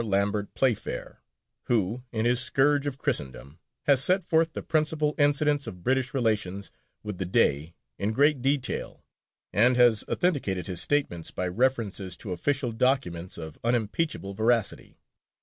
Lambert Playfair, who in his Scourge of Christendom, has set forth the principal incidents of British relations with the Dey in great detail, and has authenticated his statements by references to official documents of unimpeachable veracity.